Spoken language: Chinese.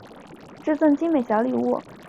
致赠精美小礼物